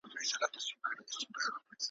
او له مځکي خړ ګردونه بادېدله ,